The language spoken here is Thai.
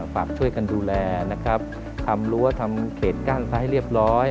ฝากช่วยกันดูแลนะครับทำรั้วทำเขตกั้นซะให้เรียบร้อย